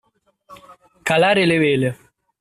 Calare le vele.